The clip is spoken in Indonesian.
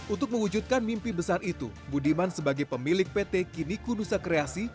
untuk mewujudkan mimpi besar itu budiman sebagai pemilik pt kini kunusa kreasi